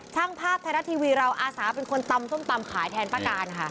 ช่างภาพไทยรัฐทีวีเราอาสาเป็นคนตำส้มตำขายแทนป้าการค่ะ